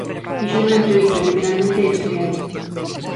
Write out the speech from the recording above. Dixo nunha entrevista literalmente: Éche o que hai.